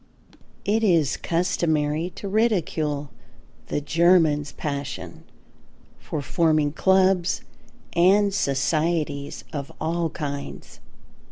It is customary to ridicule the Germans' passion for forming clubs, and societies of all kinds.